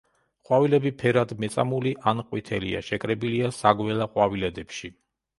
ყვავილები ფერად მეწამული ან ყვითელია, შეკრებილია საგველა ყვავილედებში.